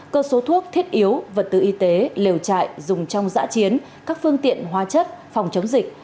cơ số thuốc thiết yếu vật tư y tế liều chạy dùng trong giã chiến các phương tiện hóa chất phòng chống dịch